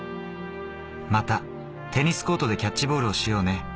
またテニスコートでキャッチボールをしようね。